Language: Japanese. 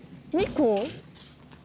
２個？